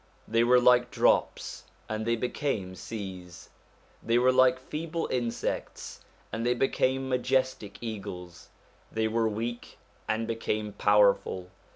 They were like drops and they became seas, they were like feeble insects and they became majestic eagles, they were weak and became powerful.